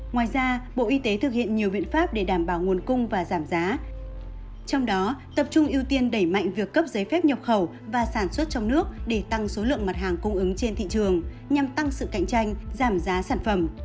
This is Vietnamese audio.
ngoài ra bộ y tế thực hiện nhiều biện pháp để đảm bảo nguồn cung và giảm giá trong đó tập trung ưu tiên đẩy mạnh việc cấp giấy phép nhập khẩu và sản xuất trong nước để tăng số lượng mặt hàng cung ứng trên thị trường nhằm tăng sự cạnh tranh giảm giá sản phẩm